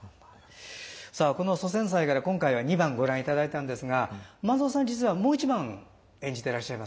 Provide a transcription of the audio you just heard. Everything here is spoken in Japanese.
さあこの祖先祭から今回は二番ご覧いただいたんですが万蔵さん実はもう一番演じていらっしゃいますね。